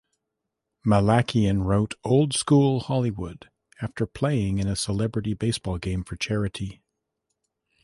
Malakian wrote "Old School Hollywood" after playing in a celebrity baseball game for charity.